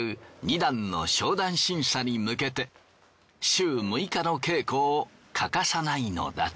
段の昇段審査に向けて週６日の稽古を欠かさないのだと。